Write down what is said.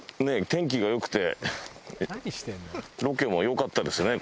天気が良くてロケもよかったですね